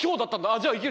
じゃあいける！